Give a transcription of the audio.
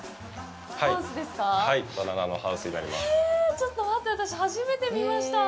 ちょっと待って私、初めて見ました。